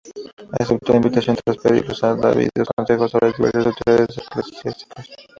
Aceptó la invitación tras pedir los debidos consejos a las diversas autoridades eclesiásticas.